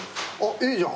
いいじゃん。